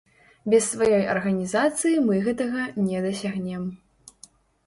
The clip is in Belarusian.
Без сваёй арганізацыі мы гэтага не дасягнем.